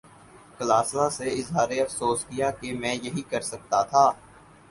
کلاسرا سے اظہار افسوس کیا کہ میں یہی کر سکتا تھا۔